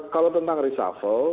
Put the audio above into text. kalau tentang risafel